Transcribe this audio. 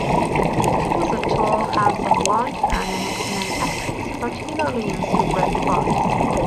She was a tall, handsome blonde, and an excellent actress, particularly in soubrette parts.